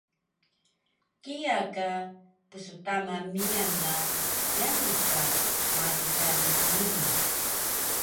kiya ka pstama miyan na yami ka malu kari nii